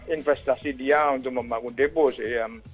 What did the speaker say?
investasi dia untuk membangun depo sih ya